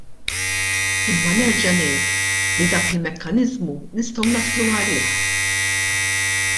Imma nerġa' ngħid li dak il-mekkaniżmu nistgħu naslu għalih.